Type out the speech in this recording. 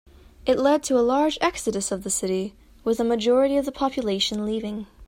It led to a large exodus of the city, with a majority of the population leaving.